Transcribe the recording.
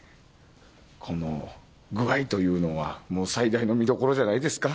この具合というのは最大の見どころじゃないですか？